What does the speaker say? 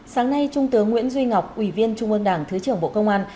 sáng nay trung tướng nguyễn duy ngọc ủy viên trung ương đảng thứ trưởng bộ công an